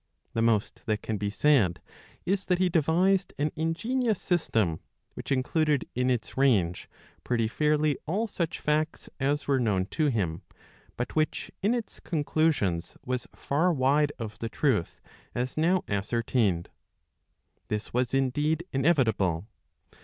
The most that can be said is that he devised an ingenious system, which included in its range pretty fairly all such facts as were known to him, but which in its conclusions was far wide of the truth as now ascertained. This was indeed inevitable.